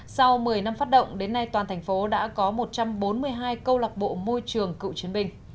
sau một mươi năm phát động đến nay toàn thành phố đã có một trăm bốn mươi hai câu lạc bộ môi trường cựu chiến binh